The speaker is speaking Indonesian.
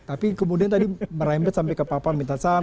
tapi kemudian tadi merambet sampai ke papa minta saham